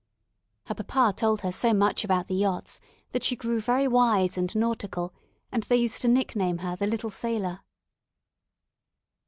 Her papa told her so much about the yachts, that she grew very wise and nautical, and they used to nickname her the "Little Sailor."